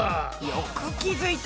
よく気付いた！